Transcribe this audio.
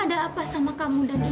ada apa sama kamu dan indi ana